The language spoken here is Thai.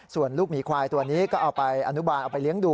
ส่วนลูกหมีควายตัวนี้ก็เอาไปอนุบาลเอาไปเลี้ยงดู